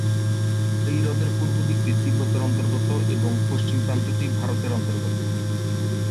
এই হ্রদের পূর্ব দিকটি তিব্বতের অন্তর্গত এবং পশ্চিম প্রান্তটি ভারতের অন্তর্গত।